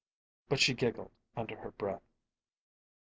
But she giggled under her breath.